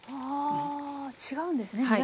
はあ違うんですね